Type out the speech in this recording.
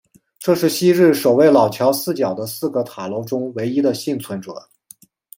这是昔日守卫老桥四角的四个塔楼中唯一的幸存者。